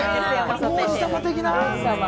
王子様的な？